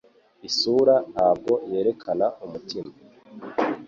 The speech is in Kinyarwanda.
Isura ntabwo yerekana umutima